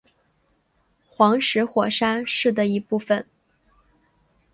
黄石火山是的一部分。